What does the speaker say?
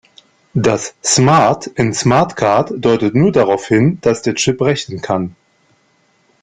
Das "smart" in SmartCard deutet nur darauf hin, dass der Chip rechnen kann.